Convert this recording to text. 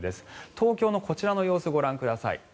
東京のこちらの様子をご覧ください。